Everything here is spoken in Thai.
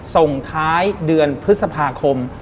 ส่งท้ายเดือนพฤษภาคม